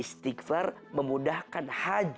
dan istighfar memudahkan hajj